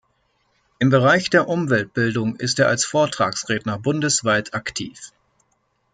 Im Bereich der Umweltbildung ist er als Vortragsredner bundesweit aktiv.